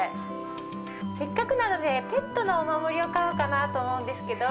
せっかくなのでペットのお守りを買おうかなと思うんですけど。